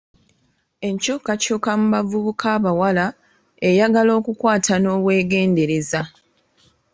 Enkyukakyuka mu bavubuka abawala eyagala okukwata n'obwegendereza.